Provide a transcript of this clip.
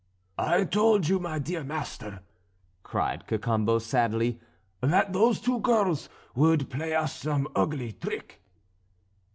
"I told you, my dear master," cried Cacambo sadly, "that those two girls would play us some ugly trick."